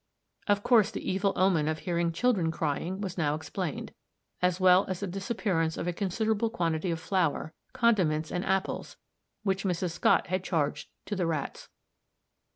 Of course the evil omen of hearing children crying was now explained, as well as the disappearance of a considerable quantity of flour, condiments and apples, which Mrs. Scott had charged to the rats.